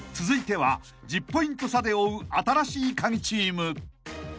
［続いては１０ポイント差で追う新しいカギチーム］